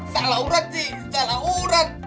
salah urat nih salah urat